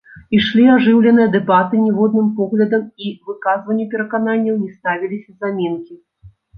Ішлі ажыўленыя дэбаты, ніводным поглядам і выказванню перакананняў не ставіліся замінкі.